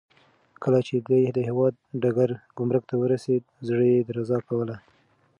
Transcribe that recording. کله چې دی د هوايي ډګر ګمرک ته ورسېد، زړه یې درزا کوله.